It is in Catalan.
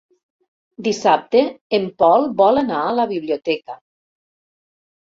Dissabte en Pol vol anar a la biblioteca.